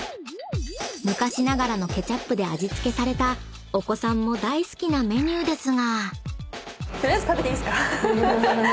［昔ながらのケチャップで味付けされたお子さんも大好きなメニューですが］